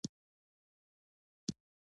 د بادام پوستکی د څه لپاره لرې کړم؟